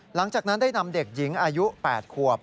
หลังจากนั้นได้นำเด็กหญิงอายุ๘ขวบ